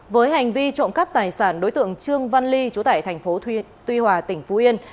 với hành vi trộm cắp tài sản đối tượng trương văn ly chủ tải tp tuy hòa tỉnh phú yên